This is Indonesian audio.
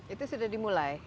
itu sudah dimulai